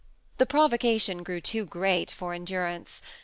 The provocation grew too great for endurance.